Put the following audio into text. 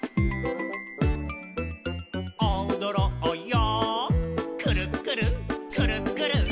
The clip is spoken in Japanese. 「おどろうよくるっくるくるっくる」